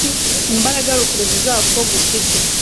imbaraga rukuruzi zako gufite